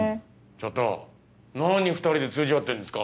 ちょっとなに２人で通じ合ってるんですか？